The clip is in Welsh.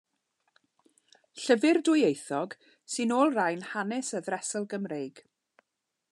Llyfr dwyieithog sy'n olrhain hanes y Ddresel Gymreig.